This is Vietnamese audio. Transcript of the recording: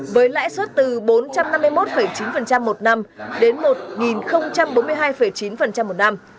với lãi suất từ bốn trăm năm mươi một chín một năm đến một bốn mươi hai chín một năm